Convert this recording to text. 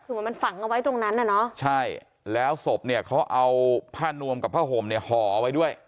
คือเหมือนมันฝังเอาไว้ตรงนั้นน่ะเนอะใช่แล้วศพเนี่ยเขาเอาผ้านวมกับผ้าห่มเนี่ยห่อไว้ด้วย